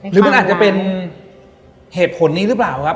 หรือมันอาจจะเป็นเหตุผลนี้หรือเปล่าครับ